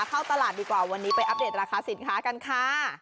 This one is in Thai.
เข้าตลาดดีกว่าวันนี้ไปอัปเดตราคาสินค้ากันค่ะ